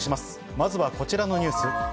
まずはこちらのニュース。